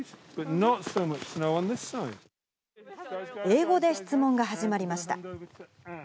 英語で質問が始まりました。